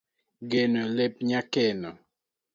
geno lep nyakeno